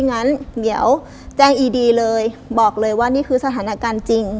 งั้นเดี๋ยวแจ้งอีดีเลยบอกเลยว่านี่คือสถานการณ์จริง